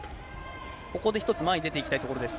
ここで１つ前に出ていきたいところです。